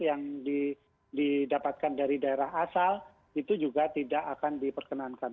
yang didapatkan dari daerah asal itu juga tidak akan diperkenankan